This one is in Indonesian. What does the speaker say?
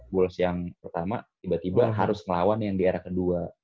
bulls yang pertama tiba tiba harus ngelawan yang di era kedua